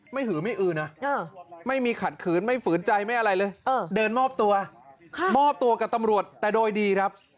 หือไม่อือนะไม่มีขัดขืนไม่ฝืนใจไม่อะไรเลยเดินมอบตัวมอบตัวกับตำรวจแต่โดยดีครับ